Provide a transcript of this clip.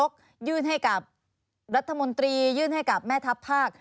รัฐมนตรียื่นให้กับแม่ทัพภาค